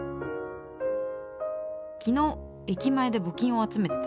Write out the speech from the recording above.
昨日駅前で募金を集めてた。